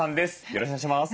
よろしくお願いします。